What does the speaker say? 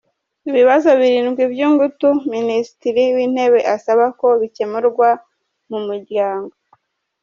Ibibazo birindwi by’ingutu Minisitiri w’Intebe asaba ko bikemurwa mu muryango